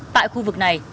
tại khu vực này